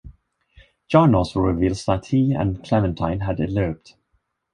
John also reveals that he and Clementine had eloped.